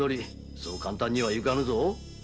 そう簡単にはいかぬぞ。